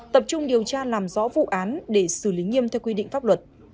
tập trung điều tra làm rõ vụ án để xử lý nghiêm theo quy định pháp luật